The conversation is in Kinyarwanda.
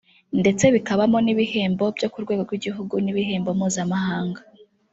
ndetse bikabamo n’ibihembo byo ku rwego rw’igihugu n’ibihembo mpuzamahanga